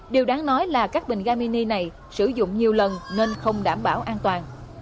điều đáng nói là các bình ga mini này sử dụng nhiều lần nên không đảm bảo an toàn